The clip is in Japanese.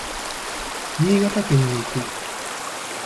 新潟県に行く。